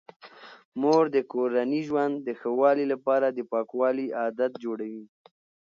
مور د کورني ژوند د ښه والي لپاره د پاکوالي عادات جوړوي.